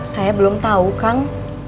saya belum tau kang